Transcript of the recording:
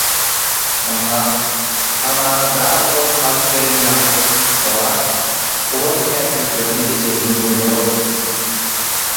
Ynha, hamana dag goçyny alyp gelen ýaly Oraz uran käkiliklerini ejesiniň oňünde goýupdy.